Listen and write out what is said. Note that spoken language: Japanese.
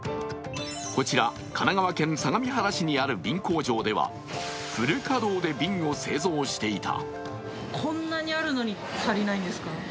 こちら神奈川県相模原市にある瓶工場ではフル稼働で瓶を製造していた。